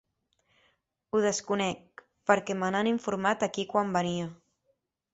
Ho desconec perquè me n’han informat aquí quan venia.